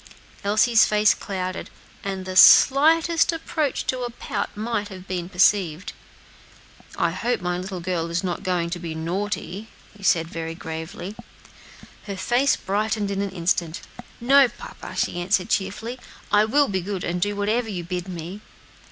Elsie's face clouded, and the slightest approach to a pout might have been perceived. "I hope my little girl is not going to be naughty," he said, very gravely. Her face brightened in an instant. "No, papa," she answered cheerfully, "I will be good, and do whatever you bid me."